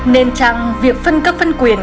nên chăng việc phân cấp phân quyền